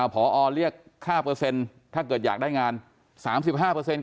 ผอเรียกค่าเปอร์เซ็นต์ถ้าเกิดอยากได้งาน๓๕เปอร์เซ็นต์๙๓